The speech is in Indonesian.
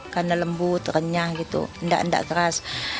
karena lembut renyah gitu tidak keras